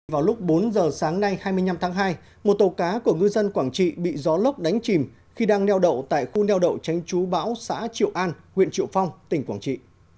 vào lúc bốn giờ sáng nay hai mươi năm tháng hai một tàu cá của ngư dân quảng trị bị gió lốc đánh chìm khi đang neo đậu tại khu neo đậu tránh chú bão xã triệu an huyện triệu phong tỉnh quảng trị